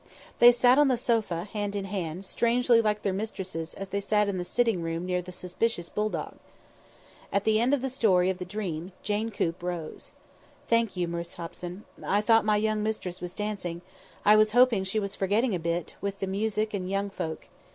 They sat on the sofa, hand in hand, strangely like their mistresses as they sat in the sitting room near the suspicious bulldog. At the end of the story of the dream, Jane Coop rose. "Thank you, Miss Hobson. I thought my young mistress was dancing. I was hoping she was forgetting a bit, with the music and young folk.